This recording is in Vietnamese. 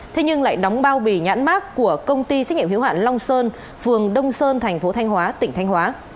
thế nhưng lại đóng bao bì nhãn mát của công ty trách nhiệm hiếu hạn long sơn phường đông sơn thành phố thanh hóa tỉnh thanh hóa